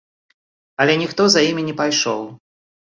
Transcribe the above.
Але ніхто за імі не пайшоў.